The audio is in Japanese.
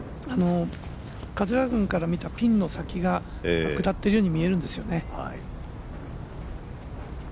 桂川君から見たピンの先が下ってるように見えるんですね。